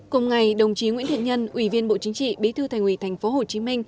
cùng ngày đồng chí nguyễn thiện nhân ủy viên bộ chính trị bí thư thành ủy tp hcm